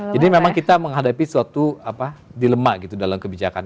jadi memang kita menghadapi suatu dilema gitu dalam kebijakan